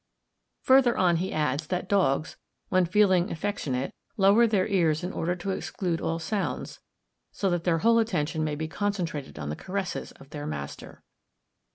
Further on, he adds, that dogs, when feeling affectionate, lower their ears in order to exclude all sounds, so that their whole attention may be concentrated on the caresses of their master!